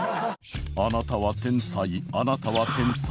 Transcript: あなたは天才あなたは天才。